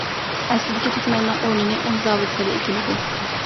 ئەسلىدىكى تۈگمەننىڭ ئورنىنى ئۇن زاۋۇتلىرى ئىگىلىدى.